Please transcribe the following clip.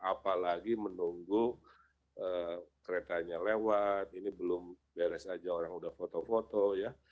apalagi menunggu keretanya lewat ini belum beres aja orang udah foto foto ya